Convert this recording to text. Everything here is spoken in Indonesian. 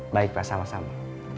baik pak sama sama